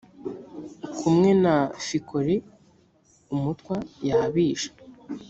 kumwe na fikoli umutwa yabishe